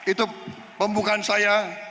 itu pembukaan saya